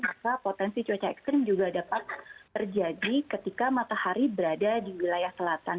maka potensi cuaca ekstrim juga dapat terjadi ketika matahari berada di wilayah selatan